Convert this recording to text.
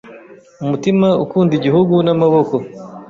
umutima ukunda igihugu n’amaboko